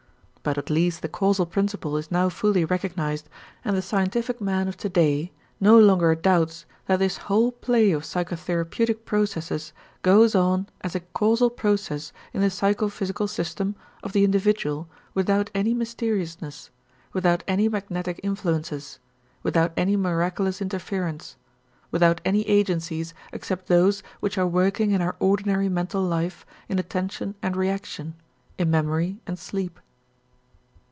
But at least the causal principle is now fully recognized and the scientific man of today no longer doubts that this whole play of psychotherapeutic processes goes on as a causal process in the psychophysical system of the individual without any mysteriousness, without any magnetic influences, without any miraculous interference, without any agencies except those which are working in our ordinary mental life in attention and reaction, in memory and sleep.